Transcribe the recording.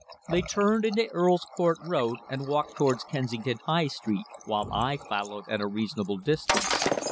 They turned into Earl's Court Road and walked towards Kensington High Street, while I followed at a respectable distance.